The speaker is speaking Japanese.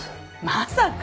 まさか。